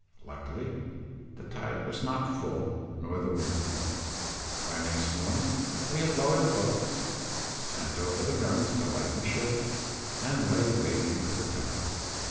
Luckily the tide was not full nor the wind blowing. By next morning we had lowered the boats, and sent over the guns to lighten ship, and lay waiting for the tide.